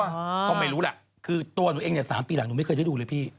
ก็ไม่รู้ล่ะคือตัวหนูเองเนี่ย๓ปีหลังหนูไม่เคยได้ดูเลยพี่